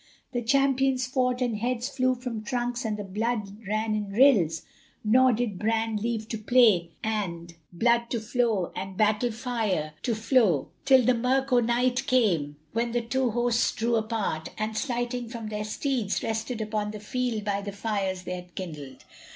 The champions fought and heads flew from trunks and the blood ran in rills; nor did brand leave to play and blood to flow and battle fire to flow, till the murk o' night came, when the two hosts drew apart and, alighting from their steeds rested upon the field by the fires they had kindled.